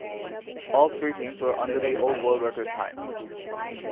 All three teams were under the old world record time.